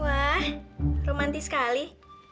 wah romantis sekali